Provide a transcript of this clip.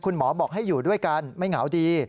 คุณหมอบอกให้อยู่ด้วยกันไม่เหงาดี